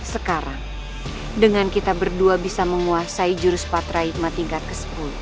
sekarang dengan kita berdua bisa menguasai jurus patra hikmah tingkat ke sepuluh